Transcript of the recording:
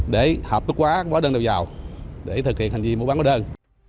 để hợp tốt quá hóa đơn đều giàu để thực hiện hành vi mua bán hóa đơn